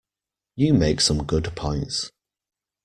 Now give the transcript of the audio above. You make some good points.